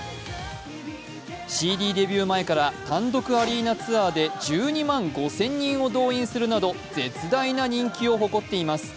ＣＤデビュー前から単独アリーナツアーで１２万５０００人を動員するなど絶大な人気を誇っています。